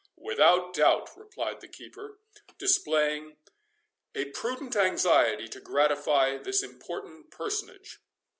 "Without doubt," replied the keeper, displaying a prudent anxiety to gratify this important personage.